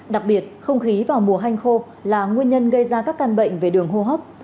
đặc biệt không khí vào mùa hanh khô là nguyên nhân gây ra các căn bệnh về đường hô hấp